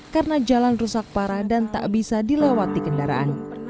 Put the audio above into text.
karena jalan rusak parah dan tak bisa dilewati kendaraan